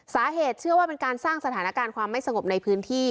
เชื่อว่าเป็นการสร้างสถานการณ์ความไม่สงบในพื้นที่